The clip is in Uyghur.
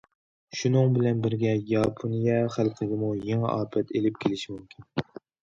شۇنىڭ بىلەن بىرگە، ياپونىيە خەلقىگىمۇ يېڭى ئاپەت ئېلىپ كېلىشى مۇمكىن.